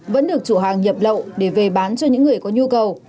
vẫn được chủ hàng nhập lậu để về bán cho những người có nhu cầu